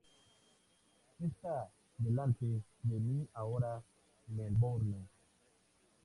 Está delante de mí ahora Melbourne.